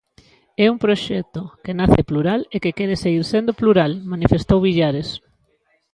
É un proxecto que nace plural e que quere seguir sendo plural, manifestou Villares.